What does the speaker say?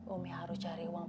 umi harus cari uang